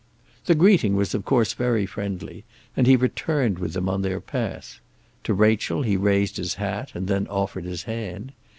The greeting was of course very friendly, and he returned with them on their path. To Rachel he raised his hat, and then offered his hand.